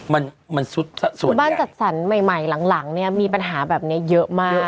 บ้านจัดสรรใหม่หลังมีปัญหาแบบนี้เยอะมาก